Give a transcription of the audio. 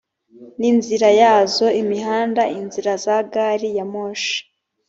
n inzira yazo imihanda inzira za gari ya moshi